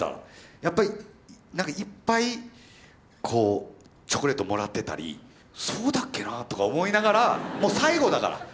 やっぱりなんかいっぱいこうチョコレートもらってたりそうだっけなとか思いながらもう最期だから。